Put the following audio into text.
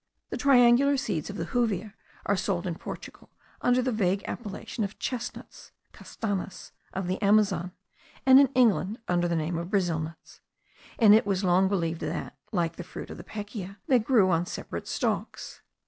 The triangular seeds of the juvia are sold in Portugal under the vague appellation of chesnuts (castanas) of the Amazon, and in England under the name of Brazil nuts; and it was long believed that, like the fruit of the pekea, they grew on separate stalks.